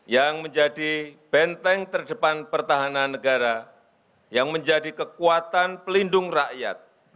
yang menjadi benteng terdepan pertahanan negara yang menjadi kekuatan pelindung rakyat